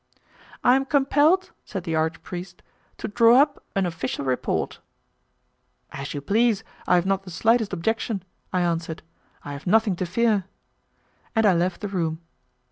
"I am compelled," said the archpriest, "to draw up an official report." "As you please, I have not the slightest objection," I answered, "I have nothing to fear." And I left the room.